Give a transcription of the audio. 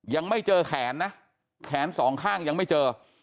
ยังไม่เจอแขนนะแขนสองข้างยังไม่เจอ